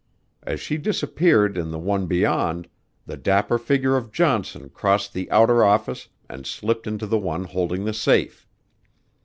As she disappeared in the one beyond, the dapper figure of Johnson crossed the outer office and slipped into the one holding the safe.